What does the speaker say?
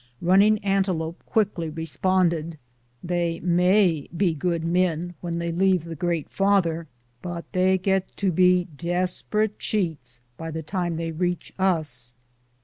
Running Antelope quickly responded, " They may be good men when they leave the Great Father, but they get to be desperate cheats by the time they reach us."